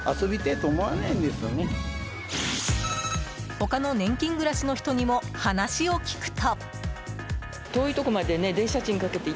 他の年金暮らしの人にも話を聞くと。